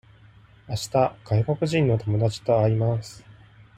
あした外国人の友達と会います。